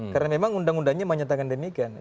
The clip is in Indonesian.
karena memang undang undangnya menyatakan demikian